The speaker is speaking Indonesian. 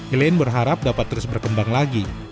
elaine berharap dapat terus berkembang lagi